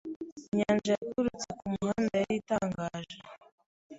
Inyanja yaturutse kumuhanda yari itangaje.